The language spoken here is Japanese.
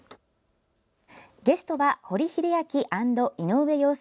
ゲストは堀秀彰＆井上陽介